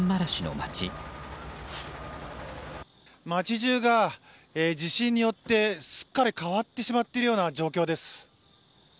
街中が地震によってすっかり変わってしまっているような状況です。